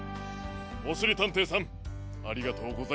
おしりたんていさんありがとうございまし。